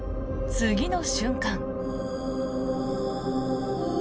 次の瞬間。